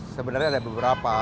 sebenarnya ada beberapa